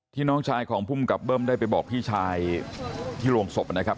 น้องชายของภูมิกับเบิ้มได้ไปบอกพี่ชายที่โรงศพนะครับ